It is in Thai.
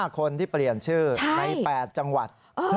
๕คนที่เปลี่ยนชื่อใน๘จังหวัด